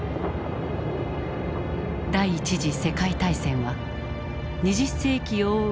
第一次世界大戦は２０世紀を覆う